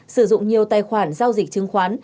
sử dụng nhiều tài khoản giao dịch chứng khoán